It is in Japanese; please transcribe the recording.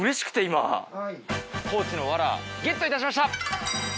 高知のワラゲットいたしました。